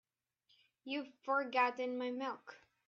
You've forgotten my milk.